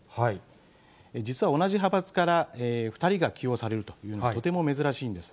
実は同じ派閥から２人が起用されるという、とても珍しいんです。